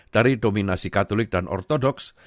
dari dominasi katolik dan ortodoks